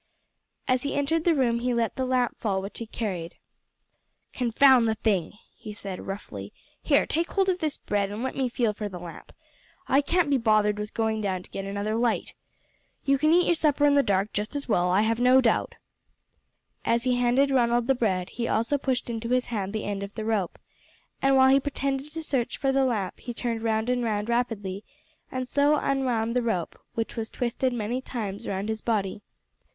As he entered the room he let the lamp fall which he carried. "Confound the thing!" he said roughly. "Here, take hold of this bread, and let me feel for the lamp. I can't be bothered with going down to get another light. You can eat your supper in the dark just as well, I have no doubt." As he handed Ronald the bread he also pushed into his hand the end of the rope, and while he pretended to search for the lamp he turned round and round rapidly, and so unwound the rope, which was twisted many times round his body.